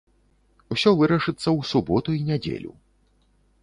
Усё вырашыцца ў суботу і нядзелю.